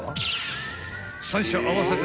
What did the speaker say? ［３社合わせて］